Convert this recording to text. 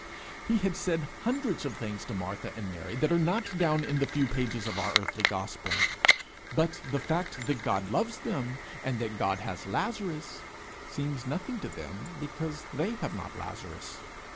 He had said hundreds of things to Martha and Mary that are not down in the few pages of our earthly gospel; but the fact that God loves them, and that God has Lazarus, seems nothing to them because they have not Lazarus!